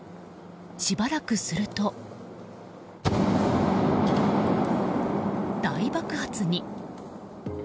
しばらくすると大爆発に。